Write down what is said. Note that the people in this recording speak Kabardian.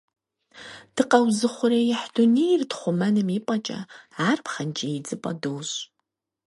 Дыкъэузыухъуреихь дунейр тхъумэным и пӀэкӀэ, ар пхъэнкӀий идзыпӀэ дощӀ.